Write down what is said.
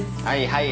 はい